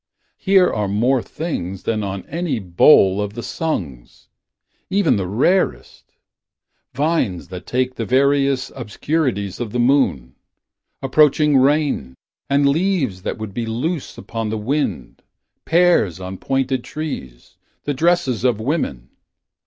Here are more things Than on any bowl of the Sungs, Even the rarest — Vines that take The various obscurities of the moon. Approaching rain And leaves that would be loose upon the wind. Pears on pointed trees. The dresses of women.